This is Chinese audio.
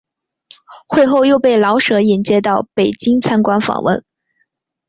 会后又被老舍引介到北京参观访问。